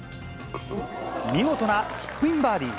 見事なチップインバーディー。